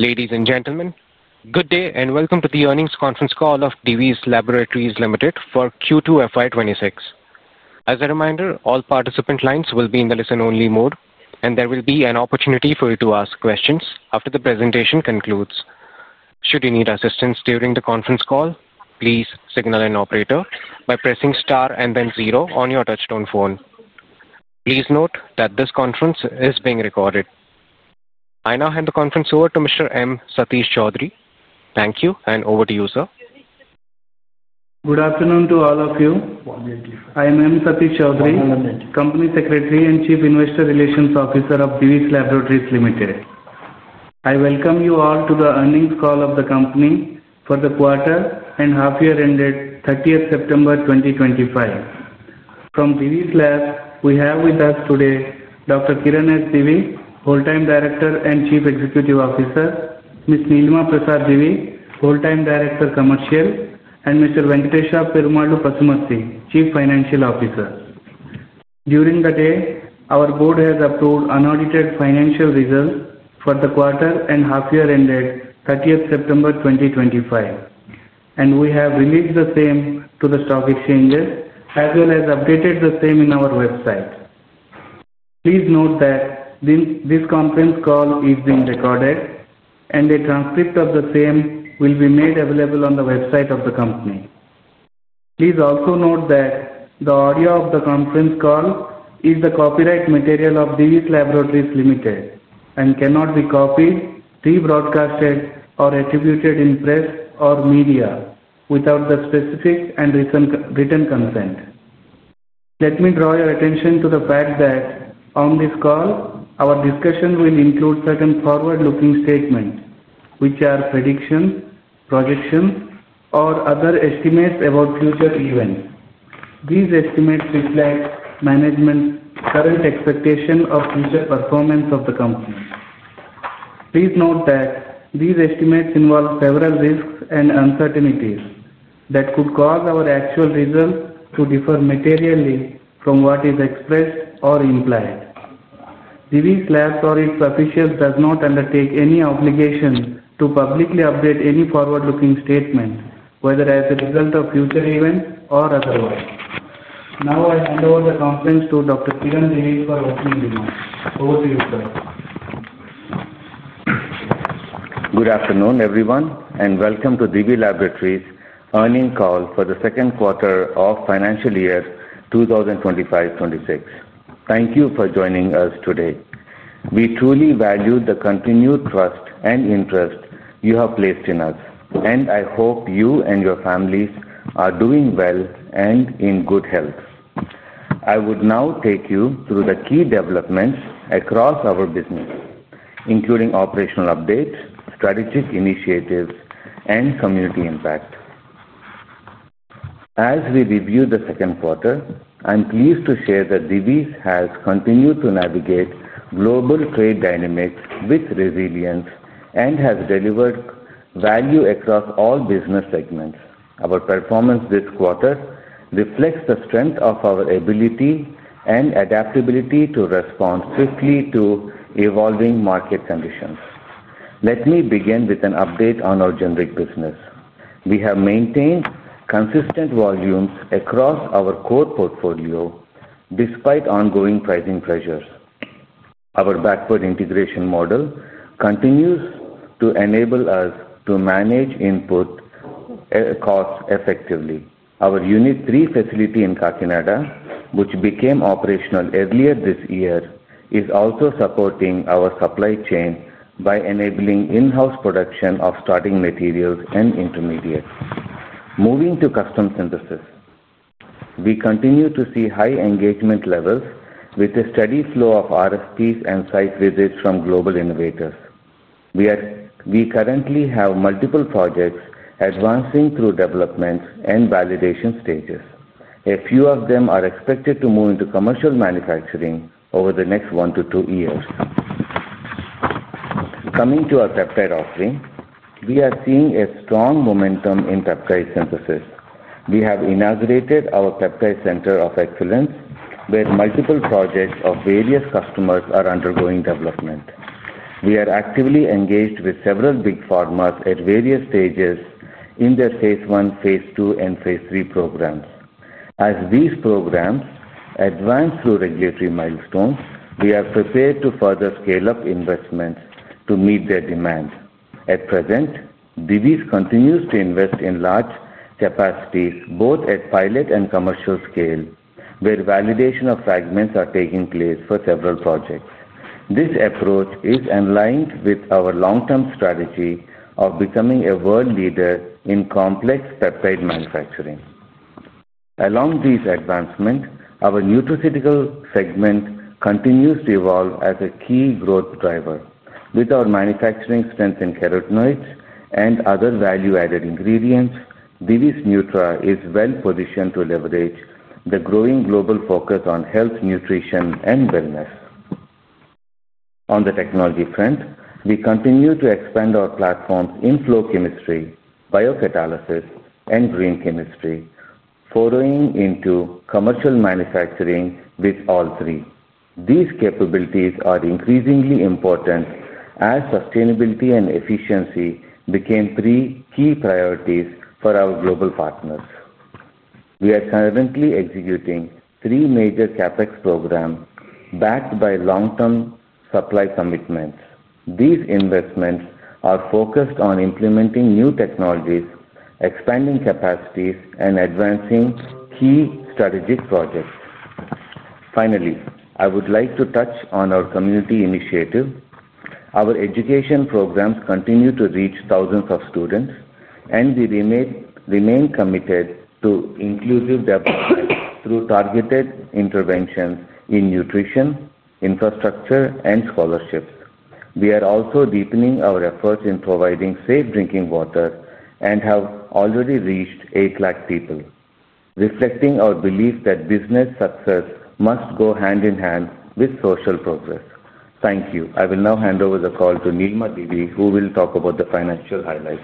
Ladies and gentlemen, good day and welcome to the earnings conference call of Divi's Laboratories Limited for Q2 FY 2026. As a reminder, all participant lines will be in the listen-only mode, and there will be an opportunity for you to ask questions after the presentation concludes. Should you need assistance during the conference call, please signal an operator by pressing star and then zero on your touch-tone phone. Please note that this conference is being recorded. I now hand the conference over to Mr. M. Satish Choudhury. Thank you, and over to you, sir. Good afternoon to all of you. I am M. Satish Choudhury, Company Secretary and Chief Investor Relations Officer of Divi's Laboratories Limited. I welcome you all to the earnings call of the company for the quarter and half-year ended 30th September 2025. From Divi's Lab, we have with us today Dr. Kiran S. Divi, Whole-Time Director and Chief Executive Officer; Ms. Nilima Prasad Divi, Whole-Time Director Commercial; and Mr. Venkatesa Perumallu Pasumarthy, Chief Financial Officer. During the day, our board has approved unaudited financial results for the quarter and half-year ended 30th September 2025, and we have released the same to the stock exchanges as well as updated the same on our website. Please note that this conference call is being recorded, and a transcript of the same will be made available on the website of the company. Please also note that the audio of the conference call is the copyright material of Divi's Laboratories Limited and cannot be copied, rebroadcasted, or attributed in press or media without the specific and written consent. Let me draw your attention to the fact that on this call, our discussion will include certain forward-looking statements, which are predictions, projections, or other estimates about future events. These estimates reflect management's current expectations of future performance of the company. Please note that these estimates involve several risks and uncertainties that could cause our actual results to differ materially from what is expressed or implied. Divi's Laboratories officials do not undertake any obligation to publicly update any forward-looking statement, whether as a result of future events or otherwise. Now, I hand over the conference to Dr. Kiran Divi for opening remarks. Over to you, sir. Good afternoon, everyone, and welcome to Divi's Laboratories' earnings call for the second quarter of financial year 2025, 2026. Thank you for joining us today. We truly value the continued trust and interest you have placed in us, and I hope you and your families are doing well and in good health. I would now take you through the key developments across our business, including operational updates, strategic initiatives, and community impact. As we review the second quarter, I'm pleased to share that Divi's has continued to navigate global trade dynamics with resilience and has delivered value across all business segments. Our performance this quarter reflects the strength of our ability and adaptability to respond swiftly to evolving market conditions. Let me begin with an update on our generic business. We have maintained consistent volumes across our core portfolio despite ongoing pricing pressures. Our backward integration model continues to enable us to manage input costs effectively. Our Unit 3 facility in Kakinada, which became operational earlier this year, is also supporting our supply chain by enabling in-house production of starting materials and intermediates. Moving to custom synthesis, we continue to see high engagement levels with a steady flow of RFPs and site visits from global innovators. We currently have multiple projects advancing through development and validation stages. A few of them are expected to move into commercial manufacturing over the next one to two years. Coming to our peptide offering, we are seeing a strong momentum in peptide synthesis. We have inaugurated our [Peptide Center of Excellence], where multiple projects of various customers are undergoing development. We are actively engaged with several big pharmas at various stages in their phase I, phase II, and phase III programs. As these programs advance through regulatory milestones, we are prepared to further scale up investments to meet their demand. At present, Divi's continues to invest in large capacities both at pilot and commercial scale, where validation of fragments is taking place for several projects. This approach is in line with our long-term strategy of becoming a world leader in complex peptide manufacturing. Along these advancements, our nutraceutical segment continues to evolve as a key growth driver. With our manufacturing strength in carotenoids and other value-added ingredients, Divi's Nutra is well-positioned to leverage the growing global focus on health, nutrition, and wellness. On the technology front, we continue to expand our platform in flow chemistry, biocatalysis, and green chemistry, furrowing into commercial manufacturing with all three. These capabilities are increasingly important as sustainability and efficiency became three key priorities for our global partners. We are currently executing three major CapEx programs backed by long-term supply commitments. These investments are focused on implementing new technologies, expanding capacities, and advancing key strategic projects. Finally, I would like to touch on our community initiative. Our education programs continue to reach thousands of students, and we remain committed to inclusive development through targeted interventions in nutrition, infrastructure, and scholarships. We are also deepening our efforts in providing safe drinking water and have already reached 8 lakh people, reflecting our belief that business success must go hand in hand with social progress. Thank you. I will now hand over the call to Nilima Divi, who will talk about the financial highlights.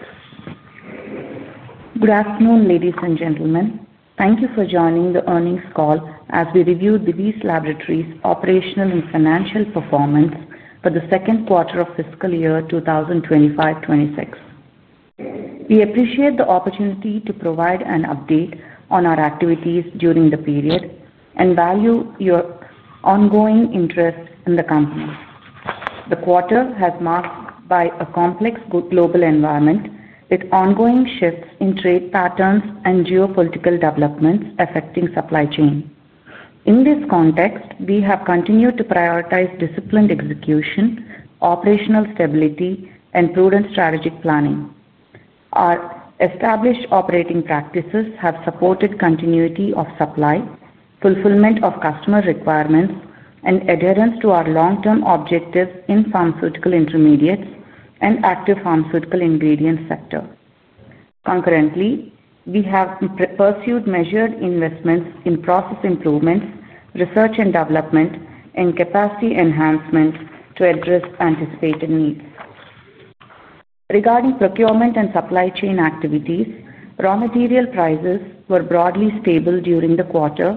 Good afternoon, ladies and gentlemen. Thank you for joining the earnings call as we review Divi's Laboratories' operational and financial performance for the second quarter of fiscal year 2025, 2026. We appreciate the opportunity to provide an update on our activities during the period and value your ongoing interest in the company. The quarter has been marked by a complex global environment with ongoing shifts in trade patterns and geopolitical developments affecting supply chain. In this context, we have continued to prioritize disciplined execution, operational stability, and prudent strategic planning. Our established operating practices have supported continuity of supply, fulfillment of customer requirements, and adherence to our long-term objectives in pharmaceutical intermediates and active pharmaceutical ingredients sector. Concurrently, we have pursued measured investments in process improvements, research and development, and capacity enhancement to address anticipated needs. Regarding procurement and supply chain activities, raw material prices were broadly stable during the quarter,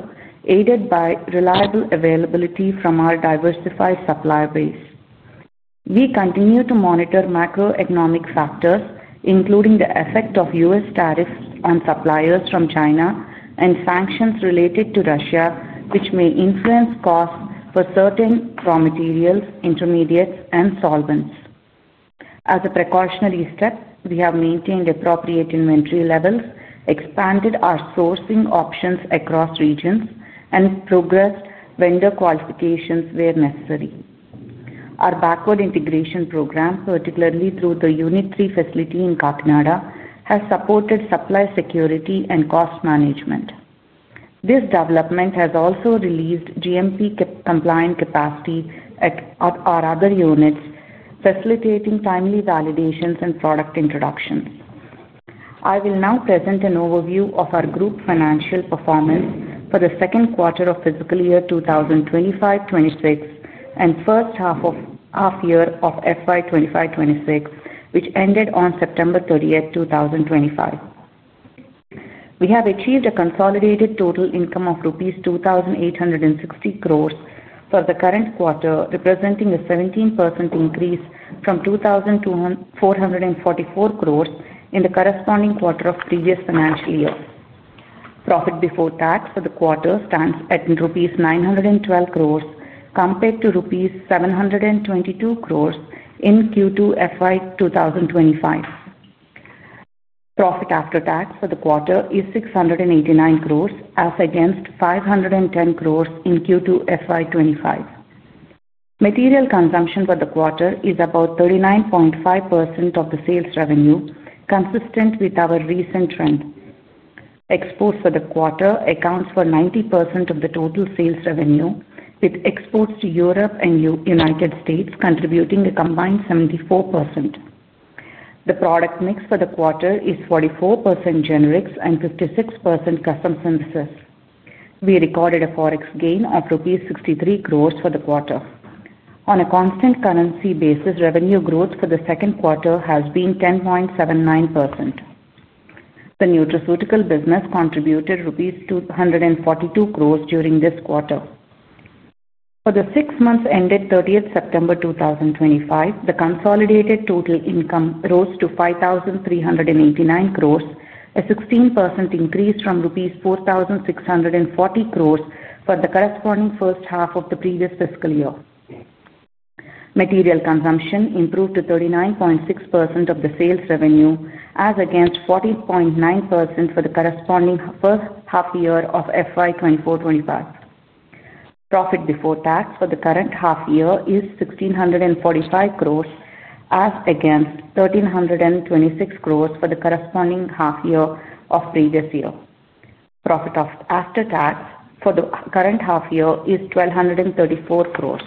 aided by reliable availability from our diversified supply base. We continue to monitor macroeconomic factors, including the effect of U.S. tariffs on suppliers from China and sanctions related to Russia, which may influence costs for certain raw materials, intermediates, and solvents. As a precautionary step, we have maintained appropriate inventory levels, expanded our sourcing options across regions, and progressed vendor qualifications where necessary. Our backward integration program, particularly through the Unit 3 facility in Kakinada, has supported supply security and cost management. This development has also released GMP-compliant capacity at our other units, facilitating timely validations and product introductions. I will now present an overview of our group financial performance for the second quarter of fiscal year 2025, 2026 and first half-year of FY 2025, 2026, which ended on September 30th 2025. We have achieved a consolidated total income of rupees 2,860 crore for the current quarter, representing a 17% increase from 2,444 crore in the corresponding quarter of previous financial year. Profit before tax for the quarter stands at 912 crore rupees compared to 722 crore rupees in Q2 FY2025. Profit after tax for the quarter is 689 crore, as against 510 crore in Q2 FY 2025. Material consumption for the quarter is about 39.5% of the sales revenue, consistent with our recent trend. Exports for the quarter accounts for 90% of the total sales revenue, with exports to Europe and the United States contributing a combined 74%. The product mix for the quarter is 44% generics and 56% custom synthesis. We recorded a forex gain of rupees 63 crore for the quarter. On a constant currency basis, revenue growth for the second quarter has been 10.79%. The nutraceutical business contributed rupees 242 crore during this quarter. For the six months ended 30th September 2025, the consolidated total income rose to 5,389 crore, a 16% increase from rupees 4,640 crore for the corresponding first half of the previous fiscal year. Material consumption improved to 39.6% of the sales revenue, as against 40.9% for the corresponding first half-year of FY 2024, 2025. Profit before tax for the current half-year is 1,645 crore, as against 1,326 crore for the corresponding half-year of previous year. Profit after tax for the current half-year is [1,234] crore.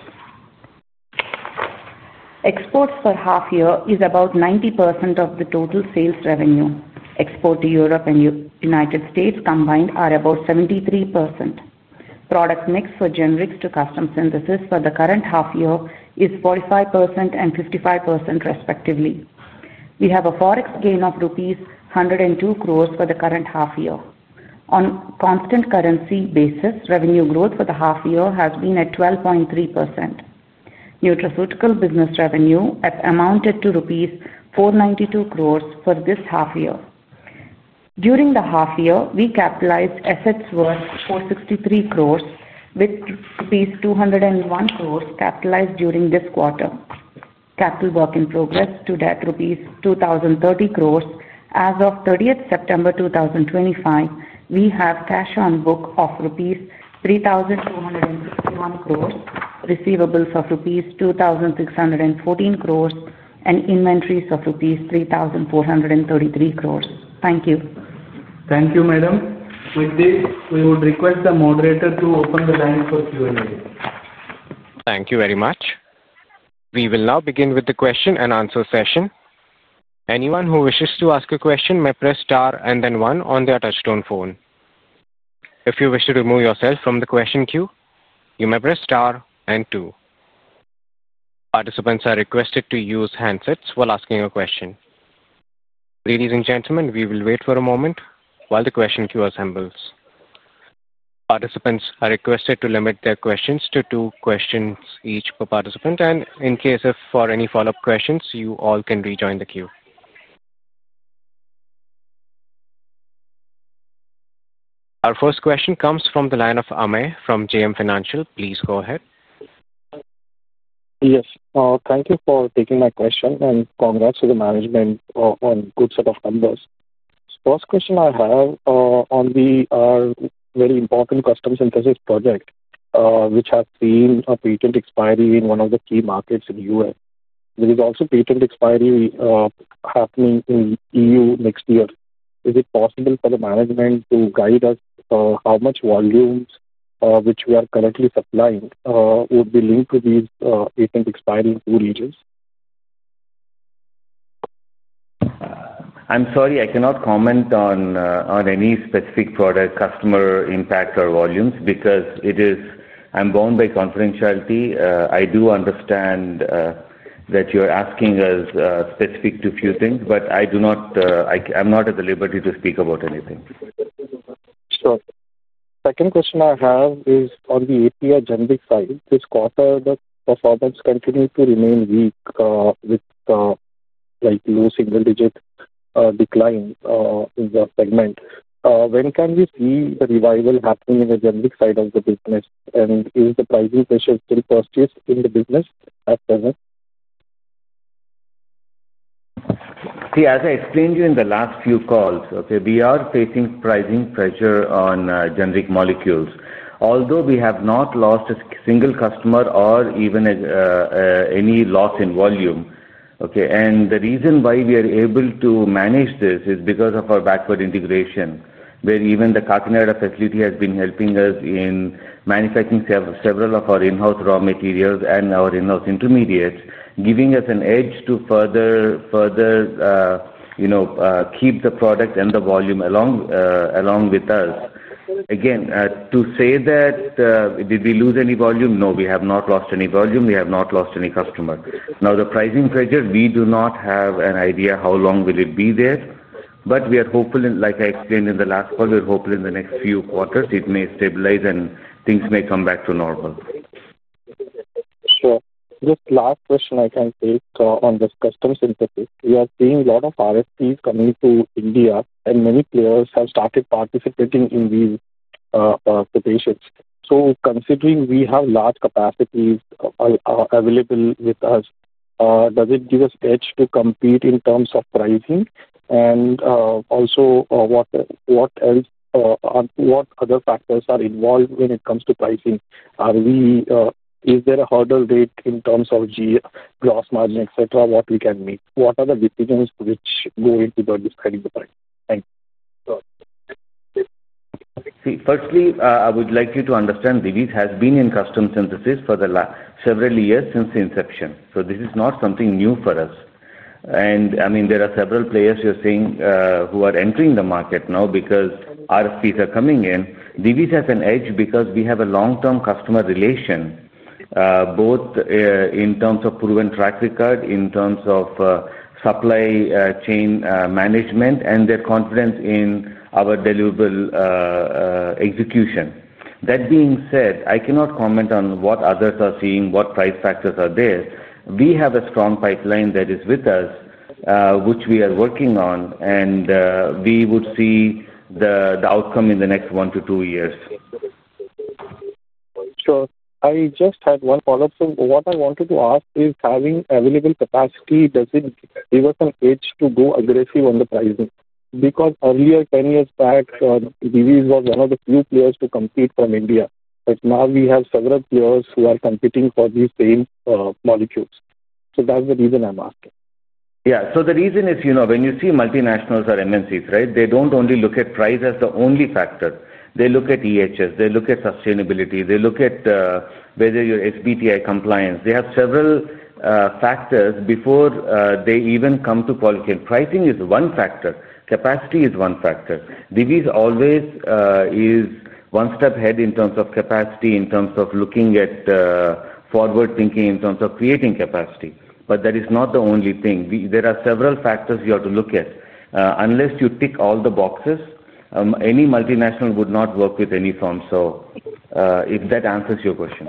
Exports for half-year is about 90% of the total sales revenue. Export to Europe and the United States combined are about 73%. Product mix for generics to custom synthesis for the current half-year is 45% and 55%, respectively. We have a forex gain of rupees 102 crore for the current half-year. On a constant currency basis, revenue growth for the half-year has been at 12.3%. Nutraceutical business revenue amounted to rupees 492 crore for this half-year. During the half-year, we capitalized assets worth 463 crore, with rupees 201 crore capitalized during this quarter. Capital work in progress to debt rupees 2,030 crore. As of 30th September 2025, we have cash on book of rupees 3,261 crore, receivables of rupees 2,614 crore, and inventories of rupees 3,433 crore. Thank you. Thank you, madam. With this, we would request the moderator to open the line for Q&A. Thank you very much. We will now begin with the question and answer session. Anyone who wishes to ask a question may press star and then one on the touchstone phone. If you wish to remove yourself from the question queue, you may press star and two. Participants are requested to use handsets while asking a question. Ladies and gentlemen, we will wait for a moment while the question queue assembles. Participants are requested to limit their questions to two questions each per participant, and in case of any follow-up questions, you all can rejoin the queue. Our first question comes from the line of Amey from JM Financial. Please go ahead. Yes. Thank you for taking my question, and congrats to the management on a good set of numbers. The first question I have on the very important custom synthesis project, which has seen a patent expiry in one of the key markets in the U.S., there is also a patent expiry happening in the EU next year. Is it possible for the management to guide us how much volume which we are currently supplying would be linked to these patent expiry in two regions? I'm sorry, I cannot comment on any specific product customer impact or volumes because I am bound by confidentiality. I do understand that you're asking us specific to a few things, but I am not at the liberty to speak about anything. Sure. Second question I have is on the API generic side. This quarter, the performance continued to remain weak with low single-digit decline in the segment. When can we see the revival happening in the generic side of the business, and is the pricing pressure still persist in the business at present? See, as I explained to you in the last few calls, okay, we are facing pricing pressure on generic molecules, although we have not lost a single customer or even any loss in volume. Okay, and the reason why we are able to manage this is because of our backward integration, where even the Kakinada facility has been helping us in manufacturing several of our in-house raw materials and our in-house intermediates, giving us an edge to further keep the product and the volume along with us. Again, to say that did we lose any volume? No, we have not lost any volume. We have not lost any customer. Now, the pricing pressure, we do not have an idea how long will it be there, but we are hopeful, like I explained in the last call, we're hopeful in the next few quarters it may stabilize and things may come back to normal. Sure. Just last question I can take on this custom synthesis. We are seeing a lot of RFPs coming to India, and many players have started participating in these quotations. Considering we have large capacities available with us, does it give us edge to compete in terms of pricing? Also, what other factors are involved when it comes to pricing? Is there a hurdle rate in terms of gross margin, etc., that we can meet? What are the decisions which go into deciding the price? Thank you. See, firstly, I would like you to understand Divi's has been in custom synthesis for several years since the inception. This is not something new for us. I mean, there are several players you're seeing who are entering the market now because RFPs are coming in. Divi's has an edge because we have a long-term customer relation, both in terms of proven track record, in terms of supply chain management, and their confidence in our deliverable execution. That being said, I cannot comment on what others are seeing, what price factors are there. We have a strong pipeline that is with us, which we are working on, and we would see the outcome in the next one to two years. Sure. I just had one follow-up. What I wanted to ask is, having available capacity, does it give us an edge to go aggressive on the pricing? Because earlier, 10 years back, Divi's was one of the few players to compete from India, but now we have several players who are competing for these same molecules. That's the reason I'm asking. Yeah. So the reason is, you know, when you see multinationals or MNCs, right, they do not only look at price as the only factor. They look at EHS, they look at sustainability, they look at whether you are SBTi compliant. They have several factors before they even come to quality. Pricing is one factor. Capacity is one factor. Divi's always is one step ahead in terms of capacity, in terms of looking at forward thinking, in terms of creating capacity. That is not the only thing. There are several factors you have to look at. Unless you tick all the boxes, any multinational would not work with any firm. If that answers your question.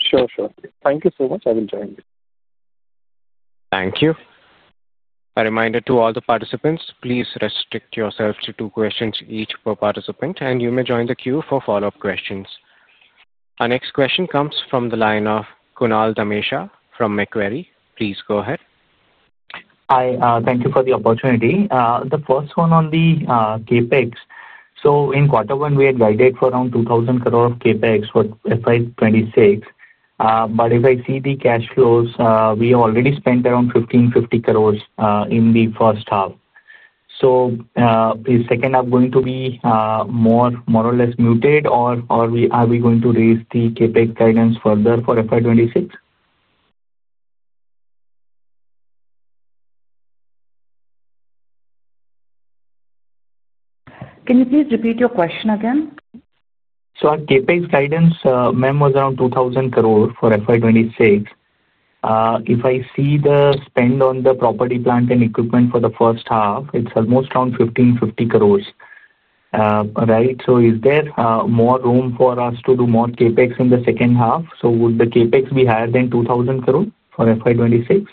Sure, sure. Thank you so much. I will join you. Thank you. A reminder to all the participants, please restrict yourselves to two questions each per participant, and you may join the queue for follow-up questions. Our next question comes from the line of Kunal Dhamesha from Macquarie. Please go ahead. Hi. Thank you for the opportunity. The first one on the CapEx. In quarter one, we had guided for around 2,000 crore of CapEx for FY 2026. If I see the cash flows, we already spent around 1,550 crore in the first half. Is second half going to be more or less muted, or are we going to raise the CapEx guidance further for FY 2026? Can you please repeat your question? Our CapEx guidance, ma'am, was around 2,000 crore for FY 2026. If I see the spend on the property, plant, and equipment for the first half, it's almost around 1,550 crore, right? Is there more room for us to do more CapEx in the second half? Would the CapEx be higher than 2,000 crore for FY 2026?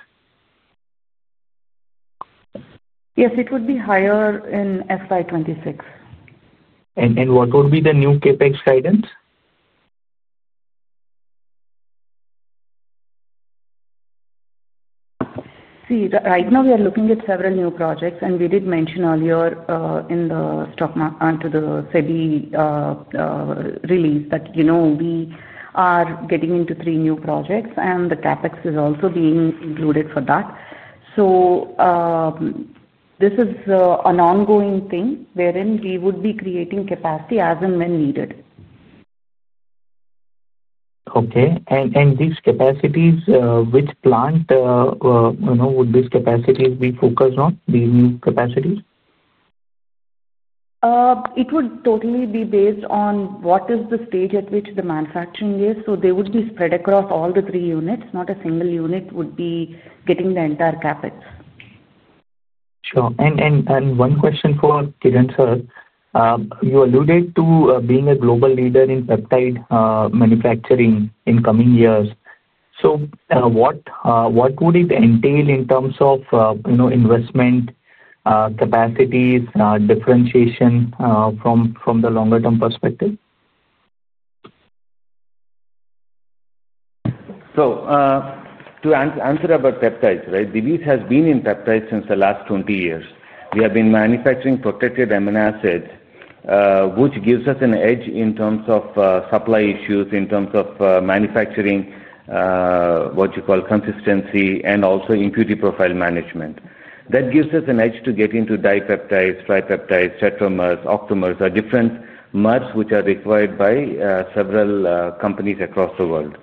Yes, it would be higher in FY 2026. What would be the new CapEx guidance? See, right now we are looking at several new projects, and we did mention earlier in the stock market to the SEBI release that we are getting into three new projects, and the CapEx is also being included for that. This is an ongoing thing wherein we would be creating capacity as and when needed. Okay. These capacities, which plant would these capacities be focused on, these new capacities? It would totally be based on what is the stage at which the manufacturing is. They would be spread across all the three units. Not a single unit would be getting the entire CapEx. Sure. One question for Kiran sir. You alluded to being a global leader in peptide manufacturing in coming years. What would it entail in terms of investment, capacities, differentiation from the longer-term perspective? To answer about peptides, right, Divi's has been in peptides since the last 20 years. We have been manufacturing protected amino acids, which gives us an edge in terms of supply issues, in terms of manufacturing, what you call consistency, and also impurity profile management. That gives us an edge to get into dipeptides, tripeptides, tetramers, octamers, different MERs which are required by several companies across the world.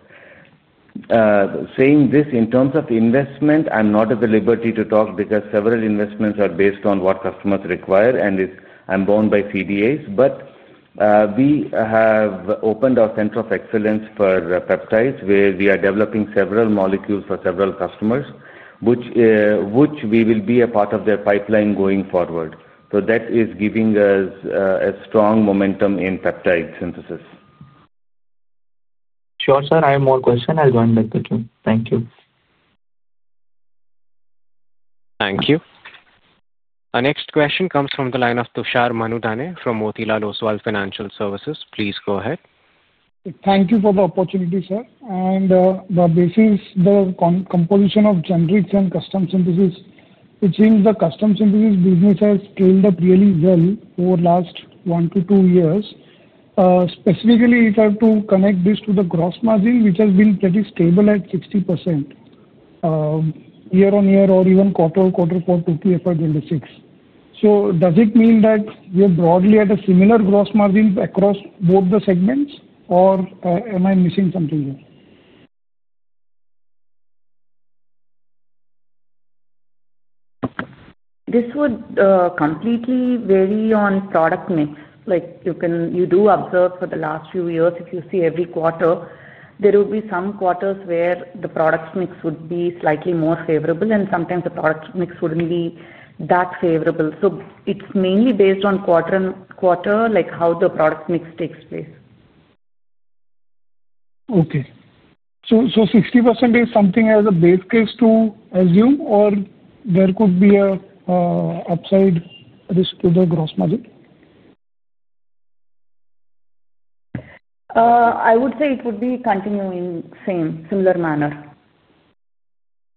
Saying this in terms of investment, I'm not at the liberty to talk because several investments are based on what customers require, and I'm bound by CDAs. We have opened our center of excellence for peptides, where we are developing several molecules for several customers, which we will be a part of their pipeline going forward. That is giving us a strong momentum in peptide synthesis. Sure, sir. I have more questions. I'll join back with you. Thank you. Thank you. Our next question comes from the line of Tushar Manudhane from Motilal Oswal Financial Services. Please go ahead. Thank you for the opportunity, sir. This is the composition of generics and custom synthesis. It seems the custom synthesis business has scaled up really well over the last one to two years. Specifically, if I have to connect this to the gross margin, which has been pretty stable at 60% year on year or even quarter-over-quarter for 2026. Does it mean that we are broadly at a similar gross margin across both the segments, or am I missing something here? This would completely vary on product mix. You do observe for the last few years, if you see every quarter, there will be some quarters where the product mix would be slightly more favorable, and sometimes the product mix would not be that favorable. It is mainly based on quarter and quarter, like how the product mix takes place. Okay. So 60% is something as a base case to assume, or there could be an upside risk to the gross margin? I would say it would be continuing the same similar manner.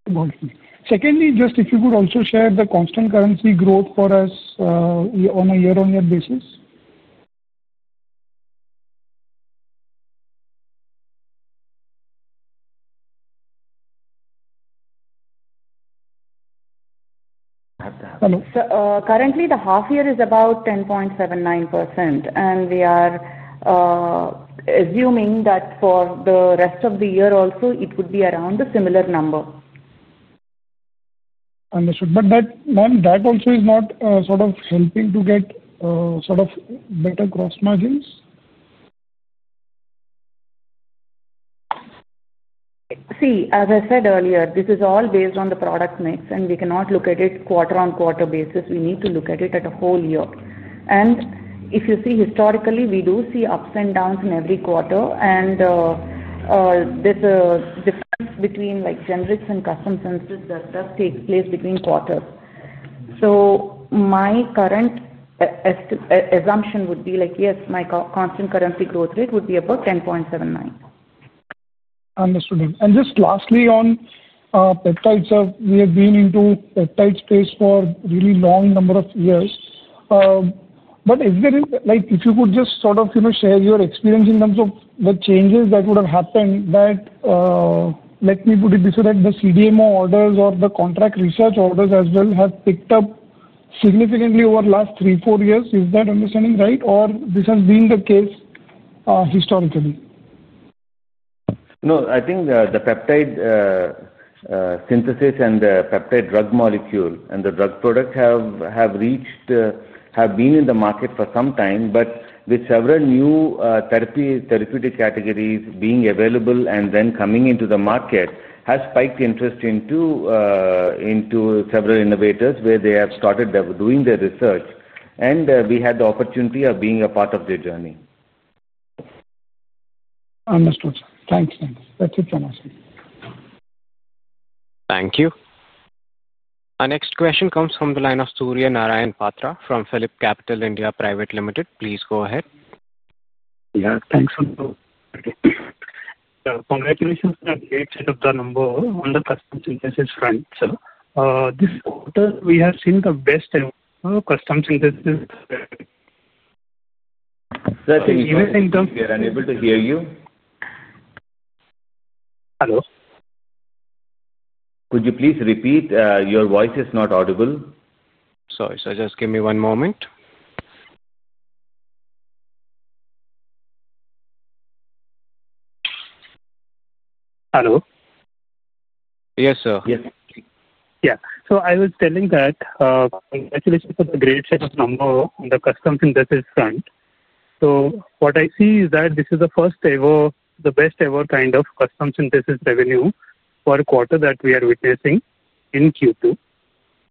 Okay. Secondly, just if you could also share the constant currency growth for us on a year-on-year basis. Currently, the half year is about 10.79%, and we are assuming that for the rest of the year also, it would be around the similar number. Understood. But ma'am, that also is not sort of helping to get sort of better gross margins? See, as I said earlier, this is all based on the product mix, and we cannot look at it quarter-on-quarter basis. We need to look at it at a whole year. If you see, historically, we do see ups and downs in every quarter, and there is a difference between generics and custom synthesis that does take place between quarters. My current assumption would be like, yes, my constant currency growth rate would be about 10.79%. Understood. Just lastly on peptides, sir, we have been into peptide space for a really long number of years. If you could just sort of share your experience in terms of the changes that would have happened, let me put it this way, that the CDMO orders or the contract research orders as well have picked up significantly over the last three, four years. Is that understanding right, or this has been the case historically? No, I think the peptide synthesis and the peptide drug molecule and the drug product have been in the market for some time, but with several new therapeutic categories being available and then coming into the market, has spiked interest into several innovators where they have started doing their research, and we had the opportunity of being a part of their journey. Understood, sir. Thanks, thank you. That's it from my side. Thank you. Our next question comes from the line of Surya Narayan Patra from PhilipCapital India Private Limited. Please go ahead. Yeah, thanks. Congratulations on the great set of the number on the custom synthesis front, sir. This quarter, we have seen the best custom synthesis. That's it. We are unable to hear you. Hello? Could you please repeat? Your voice is not audible. Sorry, sir. Just give me one moment. Hello? Yes, sir. Yes. Yeah. I was telling that congratulations for the great set of numbers on the custom synthesis front. What I see is that this is the first ever, the best ever kind of custom synthesis revenue for a quarter that we are witnessing in Q2.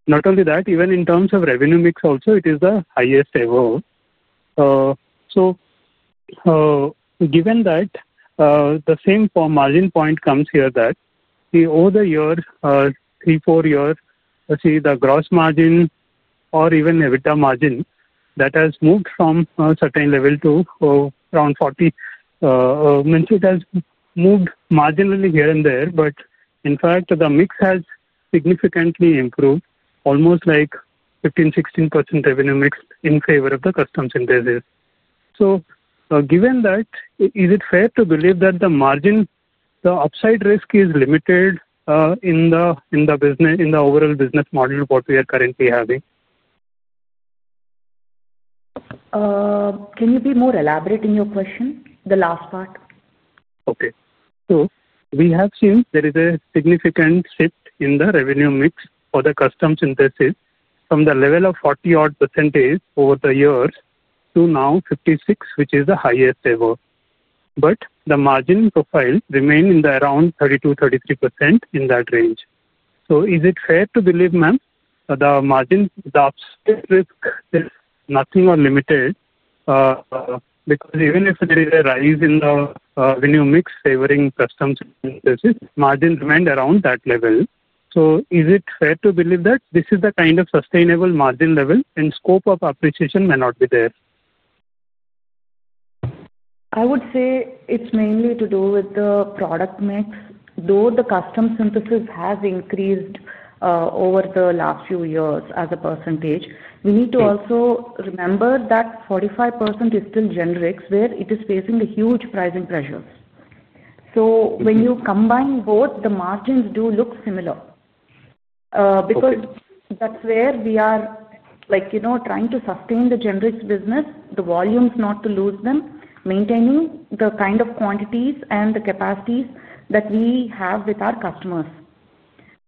Not only that, even in terms of revenue mix also, it is the highest ever. Given that, the same margin point comes here that over the years, three, four years, see, the gross margin or even EBITDA margin has moved from a certain level to around 40. Mentioned has moved marginally here and there, but in fact, the mix has significantly improved, almost like 15%-16% revenue mix in favor of the custom synthesis. Given that, is it fair to believe that the upside risk is limited in the overall business model we are currently having? Can you be more elaborate in your question? The last part. Okay. So we have seen there is a significant shift in the revenue mix for the custom synthesis from the level of 40-odd percentage over the years to now 56%, which is the highest ever. The margin profile remained in the around 32%-33% in that range. Is it fair to believe, ma'am, that the margin upside risk is nothing or limited? Because even if there is a rise in the revenue mix favoring custom synthesis, margin remained around that level. Is it fair to believe that this is the kind of sustainable margin level and scope of appreciation may not be there? I would say it's mainly to do with the product mix. Though the custom synthesis has increased over the last few years as a percentage, we need to also remember that 45% is still generics where it is facing huge pricing pressures. When you combine both, the margins do look similar. Because that's where we are trying to sustain the generics business, the volumes, not to lose them, maintaining the kind of quantities and the capacities that we have with our customers.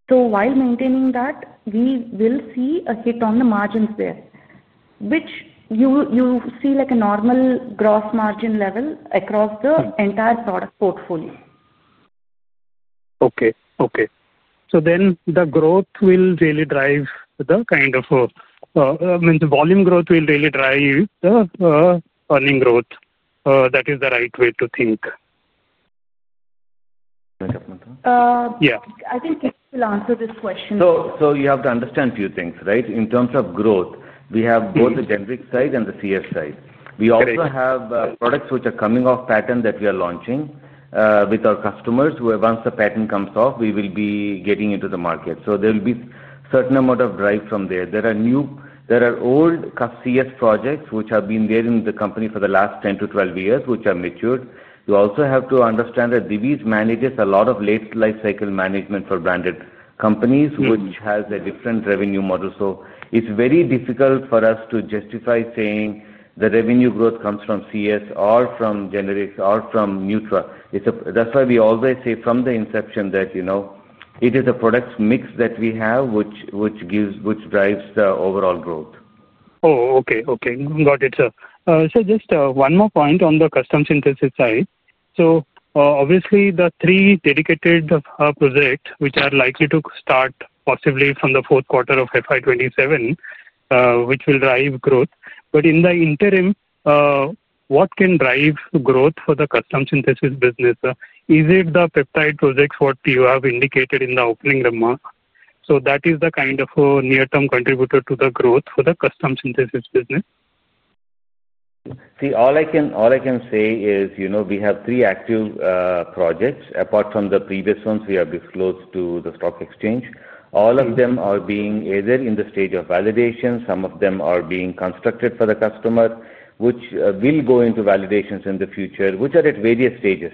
While maintaining that, we will see a hit on the margins there, which you see like a normal gross margin level across the entire product portfolio. Okay. So then the growth will really drive the kind of volume growth will really drive the earning growth. That is the right way to think. Yeah. I think you still answered this question. You have to understand a few things, right? In terms of growth, we have both the generic side and the CS side. We also have products which are coming off patent that we are launching with our customers where, once the patent comes off, we will be getting into the market. There will be a certain amount of drive from there. There are old CS projects which have been there in the company for the last 10 to 12 years, which are matured. You also have to understand that Divi's manages a lot of late life cycle management for branded companies, which has a different revenue model. It is very difficult for us to justify saying the revenue growth comes from CS or from generics or from Nutra. That's why we always say from the inception that it is the product mix that we have which drives the overall growth. Oh, okay, okay. Got it, sir. Just one more point on the custom synthesis side. Obviously, the three dedicated projects which are likely to start possibly from the fourth quarter of FY 2027, which will drive growth. In the interim, what can drive growth for the custom synthesis business? Is it the peptide projects you have indicated in the opening remarks? That is the kind of near-term contributor to the growth for the custom synthesis business. See, all I can say is we have three active projects. Apart from the previous ones, we have disclosed to the stock exchange. All of them are either in the stage of validation. Some of them are being constructed for the customer, which will go into validations in the future, which are at various stages.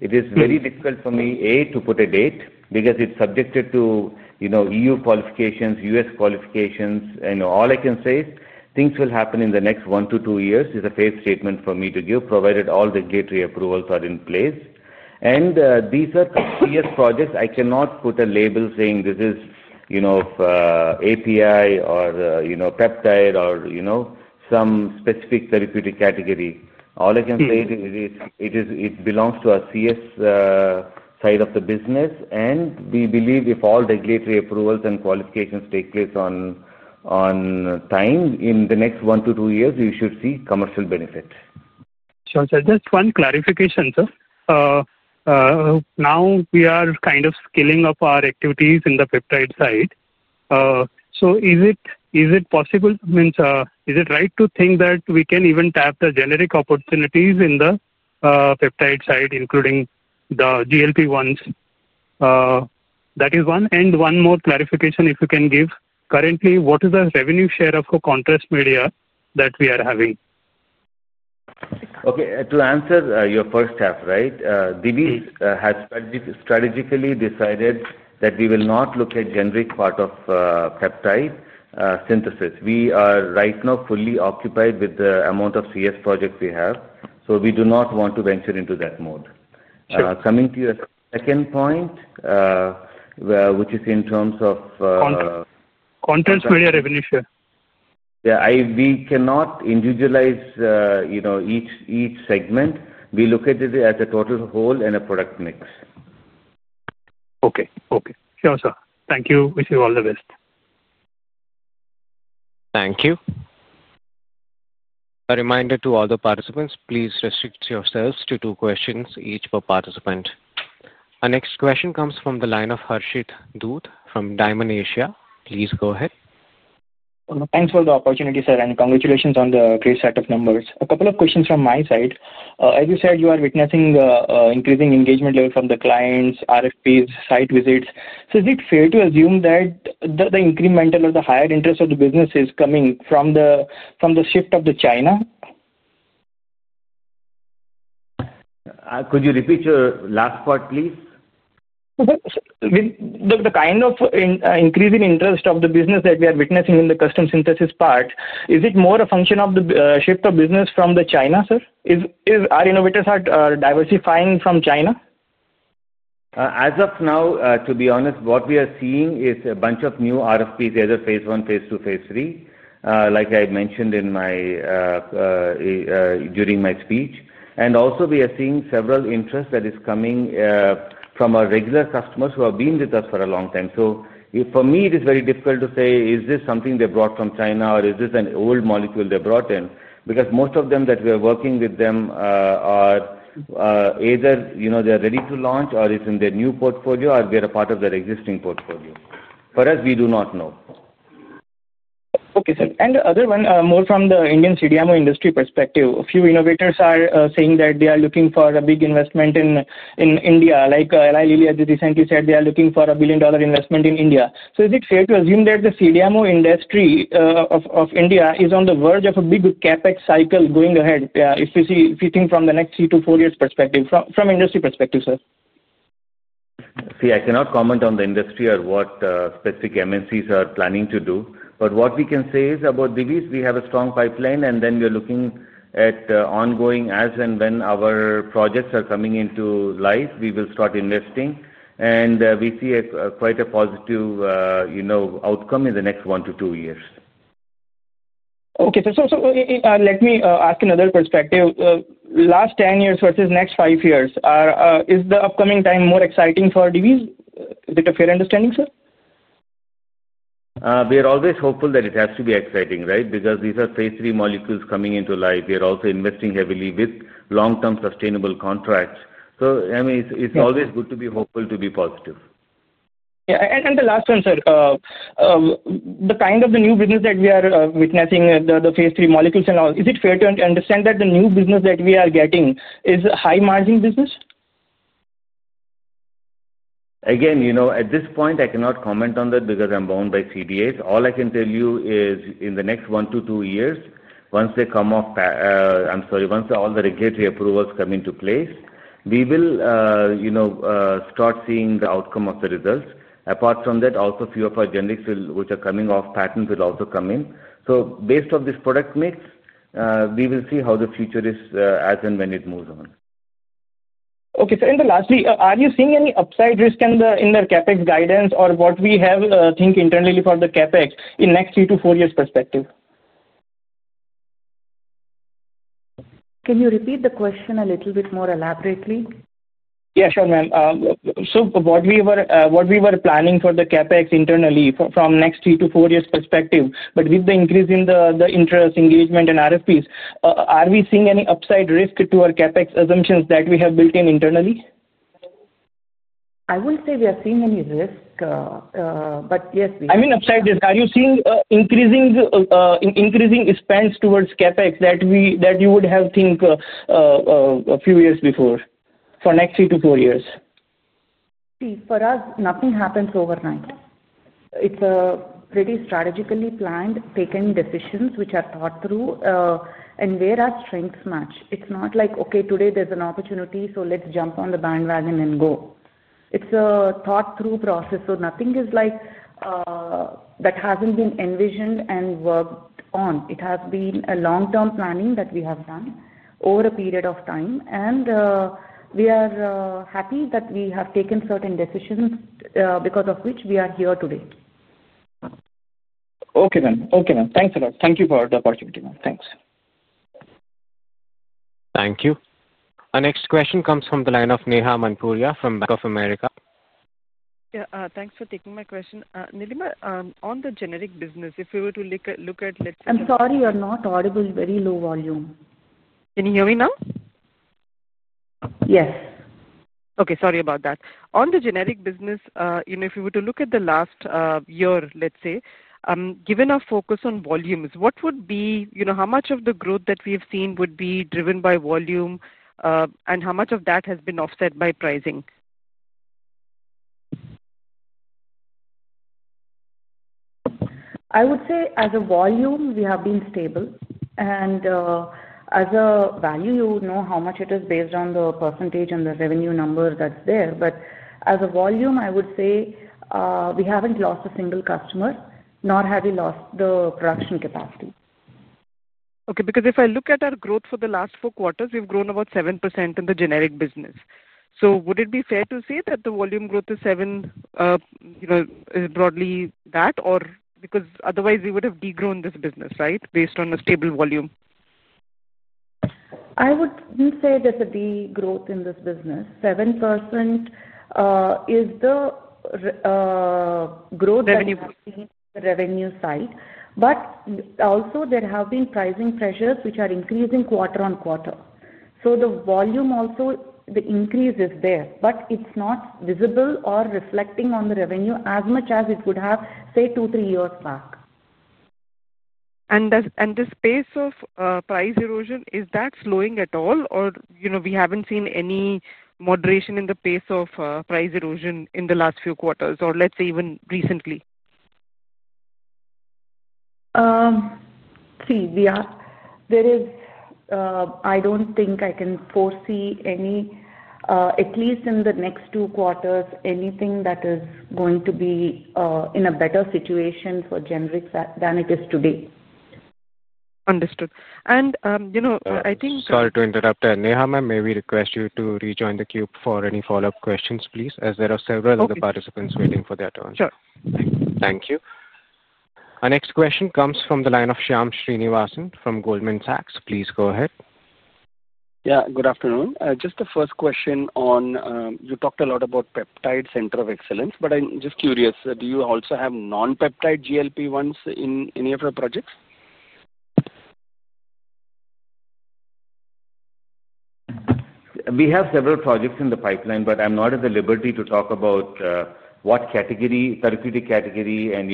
It is very difficult for me, A, to put a date because it is subject to EU qualifications, U.S. qualifications. All I can say is things will happen in the next one to two years. It is a fair statement for me to give, provided all regulatory approvals are in place. These are CS projects. I cannot put a label saying this is API or peptide or some specific therapeutic category. All I can say is it belongs to our CS side of the business. We believe if all regulatory approvals and qualifications take place on time in the next one to two years, we should see commercial benefit. Sure, sir. Just one clarification, sir. Now we are kind of scaling up our activities in the peptide side. Is it possible? Is it right to think that we can even tap the generic opportunities in the peptide side, including the GLP-1s? That is one. One more clarification, if you can give. Currently, what is the revenue share of the contrast media that we are having? Okay. To answer your first half, right, Divi's has strategically decided that we will not look at generic part of peptide synthesis. We are right now fully occupied with the amount of CS projects we have. So we do not want to venture into that mode. Coming to your second point, which is in terms of. Contents media revenue share. Yeah. We cannot individualize each segment. We look at it as a total whole and a product mix. Okay, okay. Sure, sir. Thank you. Wish you all the best. Thank you. A reminder to all the participants, please restrict yourselves to two questions each per participant. Our next question comes from the line of Harshit Dhoot from Dymon Asia. Please go ahead. Thanks for the opportunity, sir, and congratulations on the great set of numbers. A couple of questions from my side. As you said, you are witnessing increasing engagement level from the clients, RFPs, site visits. Is it fair to assume that the incremental or the higher interest of the business is coming from the shift of China? Could you repeat your last part, please? The kind of increasing interest of the business that we are witnessing in the custom synthesis part, is it more a function of the shift of business from China, sir? Are innovators diversifying from China? As of now, to be honest, what we are seeing is a bunch of new RFPs, either phase I, phase II, phase III, like I mentioned during my speech. Also, we are seeing several interests that are coming from our regular customers who have been with us for a long time. For me, it is very difficult to say, is this something they brought from China, or is this an old molecule they brought in? Because most of them that we are working with them are either they are ready to launch, or it is in their new portfolio, or they are part of their existing portfolio. For us, we do not know. Okay, sir. The other one, more from the Indian CDMO industry perspective, a few innovators are saying that they are looking for a big investment in India. Like Eli Lilly just recently said, they are looking for a $1 billion investment in India. Is it fair to assume that the CDMO industry of India is on the verge of a big CapEx cycle going ahead, if you think from the next three to four years' perspective, from industry perspective, sir? See, I cannot comment on the industry or what specific MNCs are planning to do. What we can say is about Divi's, we have a strong pipeline, and then we are looking at ongoing as and when our projects are coming into life, we will start investing. We see quite a positive outcome in the next one to two years. Okay, sir. Let me ask another perspective. Last 10 years versus next five years, is the upcoming time more exciting for Divi's? Is it a fair understanding, sir? We are always hopeful that it has to be exciting, right? Because these are phase III molecules coming into life. We are also investing heavily with long-term sustainable contracts. I mean, it's always good to be hopeful to be positive. Yeah. The last one, sir. The kind of the new business that we are witnessing, the phase III molecules and all, is it fair to understand that the new business that we are getting is a high-margin business? Again, at this point, I cannot comment on that because I'm bound by CDAs. All I can tell you is in the next one to two years, once they come off—I'm sorry, once all the regulatory approvals come into place, we will start seeing the outcome of the results. Apart from that, also a few of our generics which are coming off patent will also come in. Based on this product mix, we will see how the future is as and when it moves on. Okay, sir. Lastly, are you seeing any upside risk in their CapEx guidance or what we have think internally for the CapEx in next three to four years' perspective? Can you repeat the question a little bit more elaborately? Yeah, sure, ma'am. So what we were planning for the CapEx internally from next three to four years' perspective, but with the increase in the interest, engagement, and RFPs, are we seeing any upside risk to our CapEx assumptions that we have built in internally? I wouldn't say we are seeing any risk, but yes, we. I mean, upside risk. Are you seeing increasing expense towards CapEx that you would have think a few years before for next three to four years? See, for us, nothing happens overnight. It's a pretty strategically planned, taken decisions which are thought through, and where our strengths match. It's not like, "Okay, today there's an opportunity, so let's jump on the bandwagon and go." It's a thought-through process. Nothing is like that hasn't been envisioned and worked on. It has been a long-term planning that we have done over a period of time. We are happy that we have taken certain decisions because of which we are here today. Okay, ma'am. Thanks a lot. Thank you for the opportunity, ma'am. Thanks. Thank you. Our next question comes from the line of Neha Manpuria from Bank of America. Yeah. Thanks for taking my question. Nilima, on the generic business, if we were to look at, let's say. I'm sorry, you are not audible. Very low volume. Can you hear me now? Yes. Okay. Sorry about that. On the generic business, if we were to look at the last year, let's say, given our focus on volumes, what would be how much of the growth that we have seen would be driven by volume, and how much of that has been offset by pricing? I would say as a volume, we have been stable. As a value, you would know how much it is based on the percentage and the revenue number that's there. As a volume, I would say we haven't lost a single customer, nor have we lost the production capacity. Okay. Because if I look at our growth for the last four quarters, we've grown about 7% in the generic business. Would it be fair to say that the volume growth is 7% broadly that, or because otherwise we would have degrown this business, right, based on a stable volume? I wouldn't say there's a degrowth in this business. 7% is the growth that we've seen on the revenue side. There have been pricing pressures which are increasing quarter on quarter. The volume also, the increase is there, but it's not visible or reflecting on the revenue as much as it would have, say, two, three years back. In the space of price erosion, is that slowing at all, or we have not seen any moderation in the pace of price erosion in the last few quarters, or let's say even recently? See, there is—I don't think I can foresee any, at least in the next two quarters, anything that is going to be in a better situation for generics than it is today. Understood. I think. Sorry to interrupt there. Nilima, may we request you to rejoin the queue for any follow-up questions, please, as there are several other participants waiting for their turn. Sure. Thank you. Our next question comes from the line of Shyam Srinivasan from Goldman Sachs. Please go ahead. Yeah. Good afternoon. Just the first question on—you talked a lot about peptide center of excellence, but I'm just curious, do you also have non-peptide GLP-1s in any of your projects? We have several projects in the pipeline, but I'm not at the liberty to talk about what category, therapeutic category, and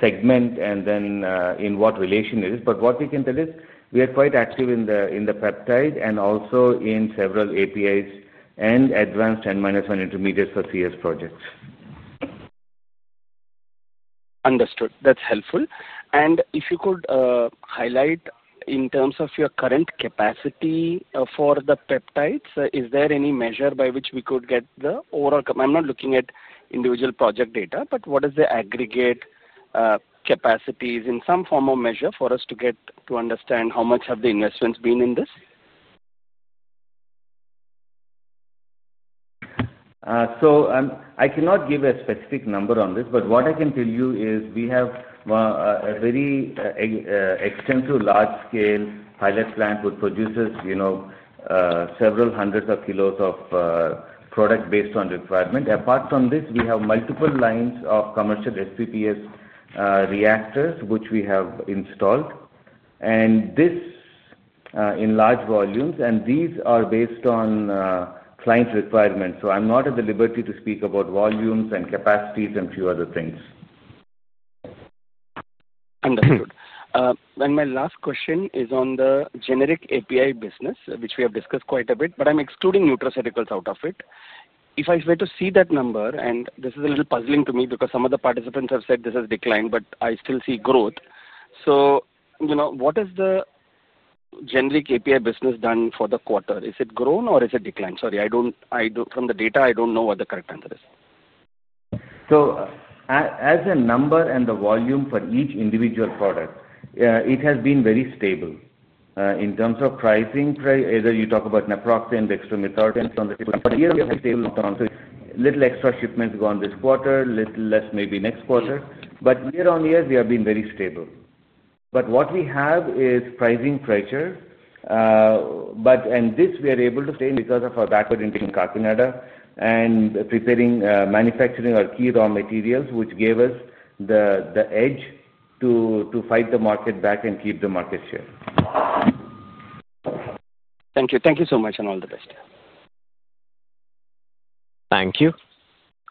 segment, and then in what relation it is. What we can tell is we are quite active in the peptide and also in several APIs and advanced N-1 intermediates for CS projects. Understood. That's helpful. If you could highlight in terms of your current capacity for the peptides, is there any measure by which we could get the overall—I am not looking at individual project data, but what is the aggregate capacities in some form or measure for us to get to understand how much have the investments been in this? I cannot give a specific number on this, but what I can tell you is we have a very extensive large-scale pilot plant which produces several hundreds of kilos of product based on requirement. Apart from this, we have multiple lines of commercial SPPS reactors which we have installed. This is in large volumes, and these are based on client requirements. I'm not at the liberty to speak about volumes and capacities and a few other things. Understood. My last question is on the generic API business, which we have discussed quite a bit, but I am excluding nutraceuticals out of it. If I were to see that number, and this is a little puzzling to me because some of the participants have said this has declined, but I still see growth. What has the generic API business done for the quarter? Has it grown or has it declined? Sorry, from the data, I do not know what the correct answer is. As a number and the volume for each individual product, it has been very stable. In terms of pricing, either you talk about naproxen and dextromethorphan from the—but here we have stable terms. A little extra shipments gone this quarter, a little less maybe next quarter. Year on year, we have been very stable. What we have is pricing pressure, and this we are able to stay because of our backward integration and preparing manufacturing our key raw materials, which gave us the edge to fight the market back and keep the market share. Thank you. Thank you so much and all the best. Thank you.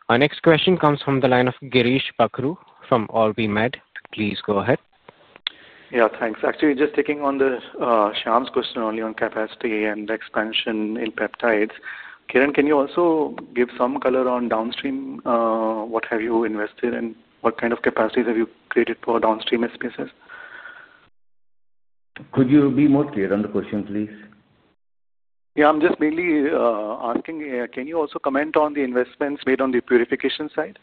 Our next question comes from the line of Girish Bakhru from OrbiMed. Please go ahead. Yeah, thanks. Actually, just taking on Shyam's question only on capacity and expansion in peptides, Kiran, can you also give some color on downstream? What have you invested in? What kind of capacities have you created for downstream [SPPS]? Could you be more clear on the question, please? Yeah. I'm just mainly asking, can you also comment on the investments made on the purification side?